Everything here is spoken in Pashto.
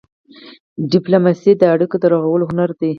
ډيپلوماسي د اړیکو د رغولو هنر دی.